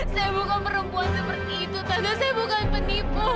saya bukan perempuan seperti itu karena saya bukan penipu